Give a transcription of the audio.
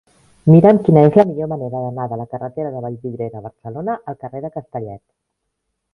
Mira'm quina és la millor manera d'anar de la carretera de Vallvidrera a Barcelona al carrer de Castellet.